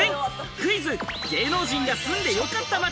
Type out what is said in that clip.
クイズ、芸能人が住んでよかった街。